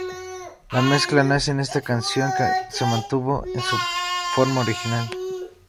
La mezcla hace en esta canción se mantuvo en su forma original.